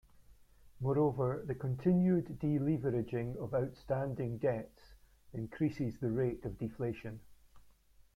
Moreover, the continued deleveraging of outstanding debts increases the rate of deflation.